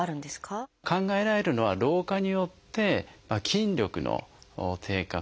考えられるのは老化によって筋力の低下